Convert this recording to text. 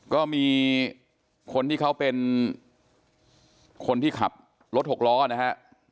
ก็มีคนที่เขาเป็นคนที่ขับรถหกล้อนะฮะ